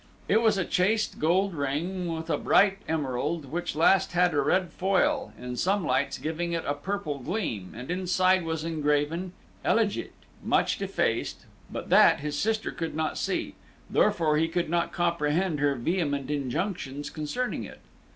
It was a chased gold ring, with a bright emerald, which last had a red foil, in some lights giving it a purple gleam, and inside was engraven "Elegit," much defaced, but that his sister could not see; therefore he could not comprehend her vehement injunctions concerning it.